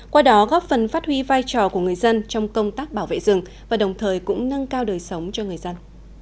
qua đó góp phần phát huy vai trò của người dân trong công tác bảo vệ rừng và đồng thời cũng nâng cao đời sống cho người dân